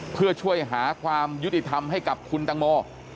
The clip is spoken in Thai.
เพื่อช่วยหาความยุติธรรมให้กับคุณตังโม